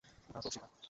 ওটা তোর শিকার।